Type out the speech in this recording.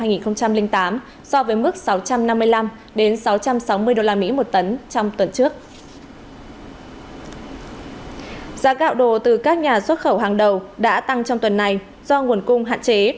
giá gạo đồ từ các nhà xuất khẩu hàng đầu đã tăng trong tuần này do nguồn cung hạn chế